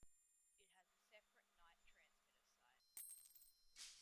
It has a separate night transmitter site.